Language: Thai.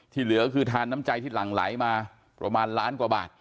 เหลือคือทานน้ำใจที่หลั่งไหลมาประมาณล้านกว่าบาท